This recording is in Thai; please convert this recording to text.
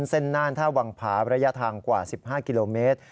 น่านท่าวังผาระยะทางกว่า๑๕กิโลเมตร